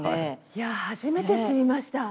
いや初めて知りました。